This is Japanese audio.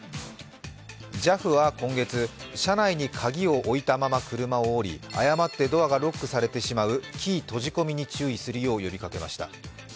ＪＡＦは今月、車内に鍵を置いたまま車を降り誤ってドアがロックされてしまうキー閉じ込みに注意するよう呼びかけました。